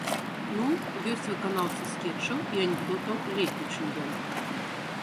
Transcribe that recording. Ну, ёсць выканаўцы скетчаў і анекдотаў лепей, чым ён.